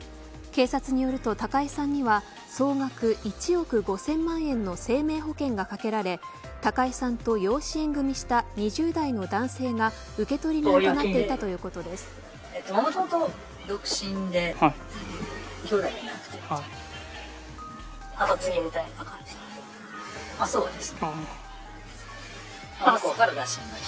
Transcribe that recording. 警察によると高井さんには総額１億５０００万円の生命保険がかけられ高井さんと養子縁組した２０代の男性が受取人となっていたということです。